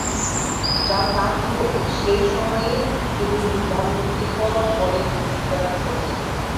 যা তার জীবনের সেই সময়ে তিনি বিভ্রান্তিকর বলে বিবেচনা করতেন।